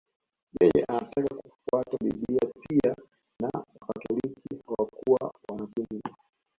Yeye anataka kufuata Biblia pia na Wakatoliki hawakuwa wanapinga